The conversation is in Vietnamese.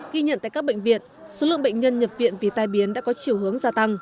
ghi nhận tại các bệnh viện số lượng bệnh nhân nhập viện vì tai biến đã có chiều hướng gia tăng